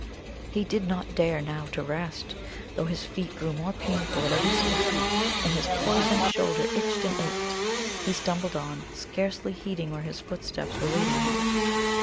He did not dare now to rest, though his feet grew more painful at every step, and his poisoned shoulder itched and ached. He stumbled on, scarcely heeding where his footsteps were leading him.